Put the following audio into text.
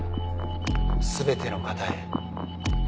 全ての方へ。